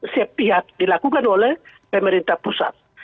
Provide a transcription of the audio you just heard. sepihak dilakukan oleh pemerintah pusat